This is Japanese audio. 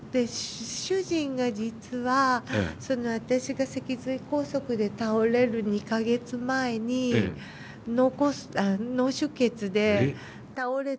主人が、実は私が脊髄梗塞で倒れる２か月前に脳出血で倒れてるんですよ。